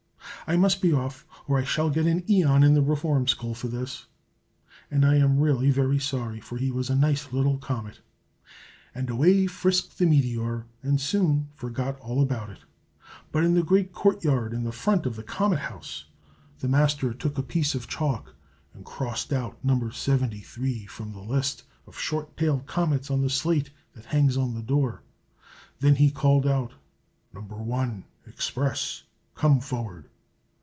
I must be off, or I shall get an æon in the Reform School for this. I am really very sorry, for he was a nice little comet!" And away frisked the meteor, and soon forgot all about it. But in the great court yard in front of the Comet House, the Master took a piece of chalk, and crossed out No. 73 from the list of short tailed comets on the slate that hangs on the door. Then he called out, "No. 1 Express, come forward!"